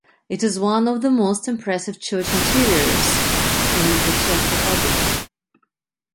It is one of the most impressive church interiors in the Czech Republic.